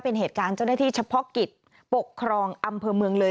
เป็นเหตุการณ์เจ้าหน้าที่เฉพาะกิจปกครองอำเภอเมืองเลย